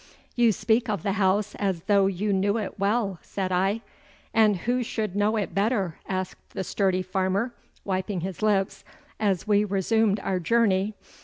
'You speak of the house as though you knew it well,' said I. 'And who should know it better?' asked the sturdy farmer, wiping his lips, as we resumed our journey.